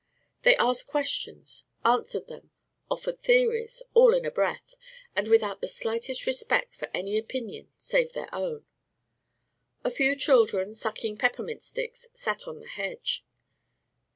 They asked questions, answered them, offered theories, all in a breath, and without the slightest respect for any opinion save their own. A few children, sucking peppermint sticks, sat on the hedge.